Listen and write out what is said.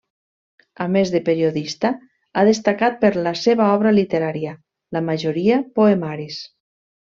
A més de periodista, ha destacat per la seva obra literària; la majoria, poemaris.